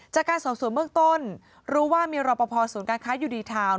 จากการสอบสวนเบื้องต้นรู้ว่ามีรอปภศูนย์การค้ายูดีทาวน์